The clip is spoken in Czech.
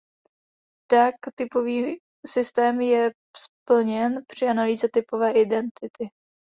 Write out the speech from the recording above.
Duck typový systém je splněn při analýze typové identity.